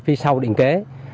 phía sau định kế